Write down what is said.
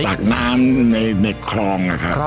ตักน้ำในคลอง